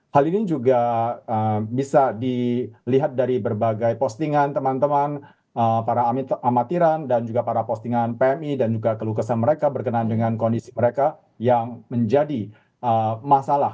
hal ini juga bisa dilihat dari berbagai postingan teman teman para amatiran dan juga para postingan pmi dan juga kelukesan mereka berkenaan dengan kondisi mereka yang menjadi masalah